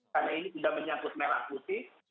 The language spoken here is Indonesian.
karena ini sudah menyangkut merah putih